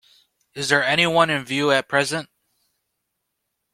Is there any one in view at present?